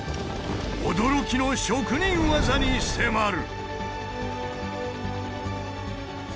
驚きの職人技に迫る！